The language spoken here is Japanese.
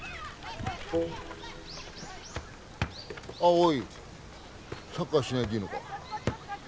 葵サッカーしないでいいのか？